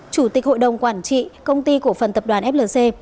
chủ tịch hội đồng quản trị công ty cổ phần tập đoàn flc